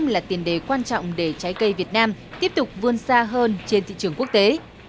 là tiền đề quan trọng để trái cây việt nam tiếp tục vươn xa hơn trên thị trường quốc tế